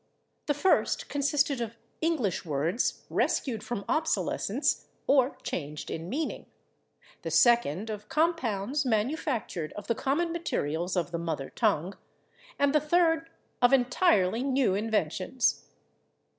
The first consisted of English words rescued from obsolescence or changed in meaning, the second of compounds manufactured of the common materials of the mother tongue, and the third of entirely new inventions.